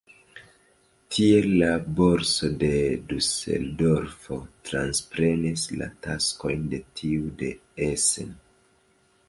Tiel la borso je Duseldorfo transprenis la taskojn de tiu de Essen.